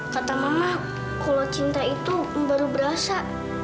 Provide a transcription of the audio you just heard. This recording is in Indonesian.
kata mama kalau cinta itu baru berasa